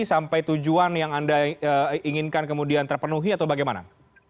sampai tujuan yang anda inginkan kemudian terpenuhi atau bagaimana